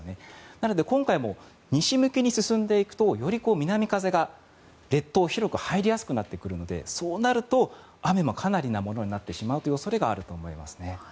なので今回も西向きに進んでいくとより南風が列島に広く入りやすくなるのでそうなると雨もかなりなものになってしまうという恐れがあると思いますね。